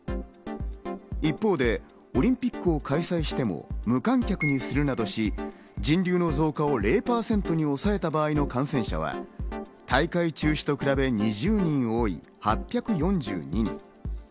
一方でオリンピックを開催しても、無観客にするなど、人流の増加を０％に抑えた場合の感染者は、大会中止と比べて２０人多い８４２人。